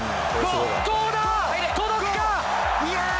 どうだ？